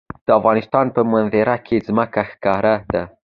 د افغانستان په منظره کې ځمکه ښکاره ده.